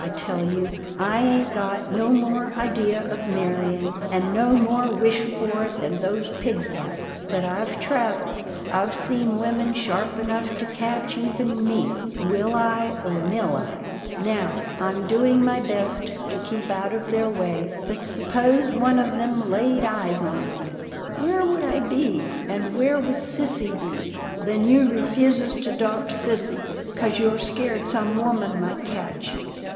I tell you, I ain't got no more idea of marrying, and no more wish for it, than those pigs have; but I've trav elled. I've seen women sharp enough to catch even me, will I, or nill I. Now I'm doing my PERLETTA MAKES AN EXPLANATION 309 best to keep out of their way, but s'pose one of 'em laid eyes on me. Where would I be? — and where would sissy be?" " Then you refuses to 'dopt sissy, 'cause you're scared some woman might catch you?